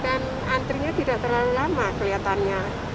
dan antrenya tidak terlalu lama kelihatannya